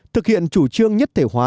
thực hiện chủ trương nhất thể hóa